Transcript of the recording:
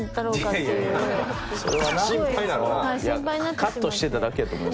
いやカットしてただけやと思う。